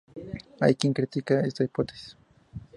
Hay quien critica esta hipótesis.